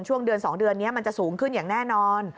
ช่วงเดือน๒เดือนนี้มันจะสูงขึ้นอย่างแน่นอน